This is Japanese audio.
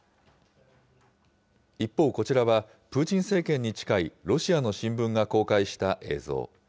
一方、こちらはプーチン政権に近いロシアの新聞が公開した映像。